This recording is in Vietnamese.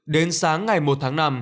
đến sáng ngày một tháng năm